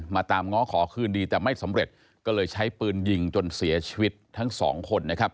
ตามง้อขอคืนดีแต่ไม่สำเร็จก็เลยใช้ปืนยิงจนเสียชีวิตทั้งสองคนนะครับ